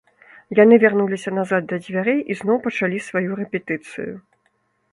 Яны вярнуліся назад да дзвярэй і зноў пачалі сваю рэпетыцыю.